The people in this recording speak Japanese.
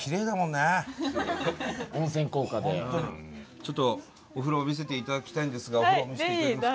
ちょっとお風呂を見せて頂きたいんですがお風呂を見せて頂けますか？